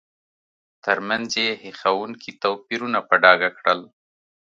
ترمنځ یې هیښوونکي توپیرونه په ډاګه کړل.